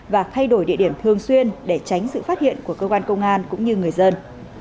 và thay đổi địa điểm thường xuyên để tránh sự phát hiện của cơ quan công an cũng như người dân